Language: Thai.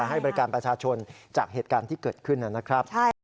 ให้บริการประชาชนจากเหตุการณ์ที่เกิดขึ้นนะครับ